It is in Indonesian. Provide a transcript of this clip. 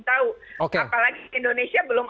tahu apalagi indonesia belum